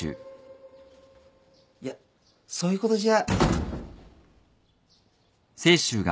いやそういうことじゃ。